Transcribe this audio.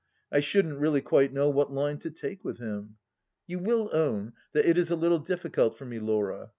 I shouldn't really quite know what line to take with him. You will own that it is a little difficult for me, Laura.